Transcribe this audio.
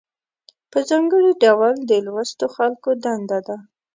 په ځانګړي ډول د لوستو خلکو دنده ده.